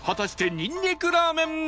にんにくラーメンは。